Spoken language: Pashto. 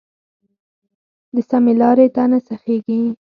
د سمې لارې ته نه سیخېږي.